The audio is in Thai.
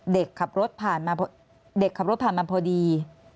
เด็กขับรถผ่านมาพอดี